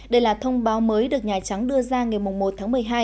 đây là thông báo mới được nhà trắng đưa ra ngày một tháng một mươi hai